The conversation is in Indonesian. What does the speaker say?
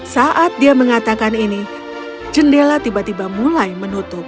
saat dia mengatakan ini jendela tiba tiba mulai menutup